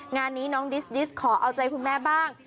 งานนี้น้องดิสดิสขอเอาใจคุณแม่บ้าง